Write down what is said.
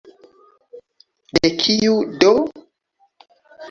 De kiu, do?